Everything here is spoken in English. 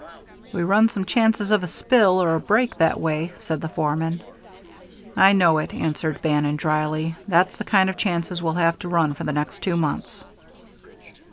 "We run some chances of a spill or a break that way," said the foreman. "I know it," answered Bannon, dryly. "That's the kind of chances we'll have to run for the next two months."